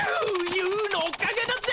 ユーのおかげだぜ。